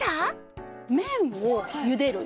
麺をゆでる